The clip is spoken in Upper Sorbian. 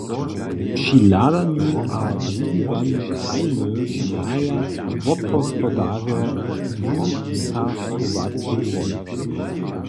Při hladanju a wuwiwanju krajiny hraja wobhospodarjo wusahowacu rólu.